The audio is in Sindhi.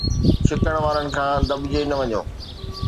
ڇڪڻ وارن کان دٻجي نه وڃو